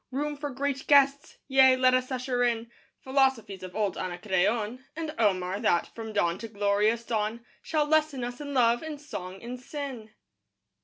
Room for great guests! Yea, let us usher in Philosophies of old Anacreon And Omar, that, from dawn to glorious dawn, Shall lesson us in love and song and sin.